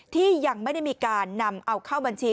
ที่ยังไม่ได้มีการนำเอาเข้าบัญชี